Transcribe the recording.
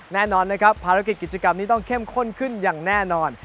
แน่นอนนะครับภารกิจกิจกรรมนี้ต้องเข้มข้นขึ้นอย่างแน่นอน